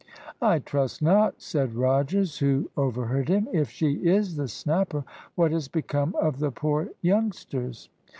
"I trust not," said Rogers, who overheard him. "If she is the Snapper, what has become of the poor youngsters?"